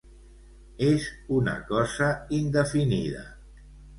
És una cosa indefinida.